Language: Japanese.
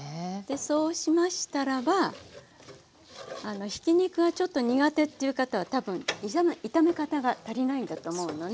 そうしましたらばひき肉はちょっと苦手っていう方は多分炒め方が足りないんだと思うのね。